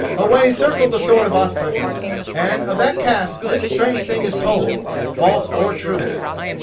Away circled the sword of Ospakar; and of that cast this strange thing is told, false or true.